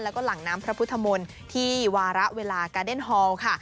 แล้วก็หลังน้ำพระพุทธมนตร์ที่วาระเวลากาเดนฮอลค่ะ